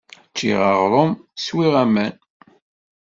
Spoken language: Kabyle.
Ččiɣ aɣrum, swiɣ aman.